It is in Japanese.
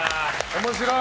面白い！